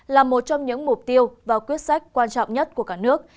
là một trong những mục tiêu và quyết sách quan trọng nhất của cả nước